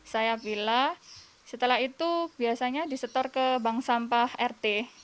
saya bila setelah itu biasanya disetor ke bank sampah rt